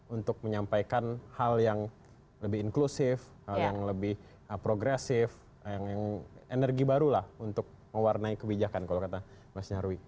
untuk menyampaikan hal yang lebih inklusif hal yang lebih progresif yang energi baru lah untuk mewarnai kebijakan kalau kata mas nyarwi